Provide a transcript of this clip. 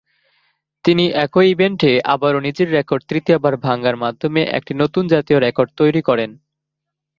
তিনি একই ইভেন্টে আবারও নিজের রেকর্ড তৃতীয় বার ভাঙ্গার মাধ্যমে একটি নতুন জাতীয় রেকর্ড তৈরি করেন।